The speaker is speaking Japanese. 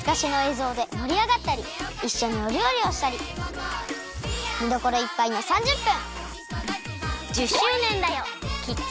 ぞうでもりあがったりいっしょにおりょうりをしたりみどころいっぱいの３０分！